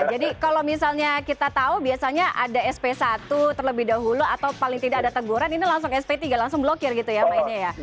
jadi kalau misalnya kita tahu biasanya ada sp satu terlebih dahulu atau paling tidak ada teguran ini langsung sp tiga langsung blokir gitu ya mainnya ya